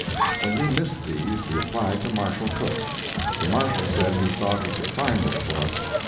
When we missed these we applied to Marshall Cooke. The Marshall said he thought he could find them for us.